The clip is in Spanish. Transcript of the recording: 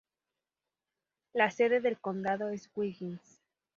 La sede del condado es Wiggins.